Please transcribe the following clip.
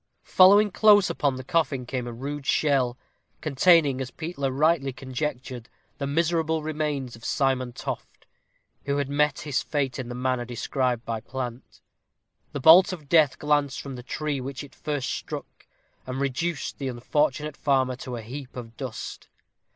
Following close upon the coffin came a rude shell, containing, as Peter rightly conjectured, the miserable remains of Simon Toft, who had met his fate in the manner described by Plant. The bolt of death glanced from the tree which it first struck, and reduced the unfortunate farmer to a heap of dust.